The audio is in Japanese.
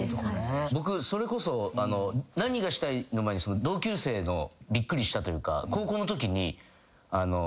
僕それこそ何がしたいの前に同級生のびっくりしたというか高校のときに。